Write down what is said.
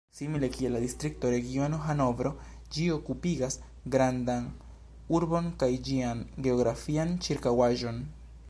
Simile kiel la Distrikto Regiono Hanovro, ĝi grupigas grandan urbon kaj ĝian geografian ĉirkaŭaĵon.